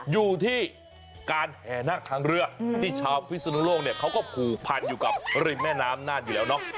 อยู่ที่การแหนนั่งถังเรือที่ชาวพิสุนโลกเนี่ยแล้วเขาก็ผูห์ผ่านอยู่กับริมแม้น้ำนาดอยู่แล้วเนาะ